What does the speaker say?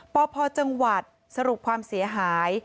พพจังหวัดสรุปความเสียหาย